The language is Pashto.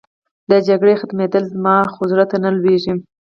د جګړې ختمېدل، زما خو زړه ته نه لوېږي.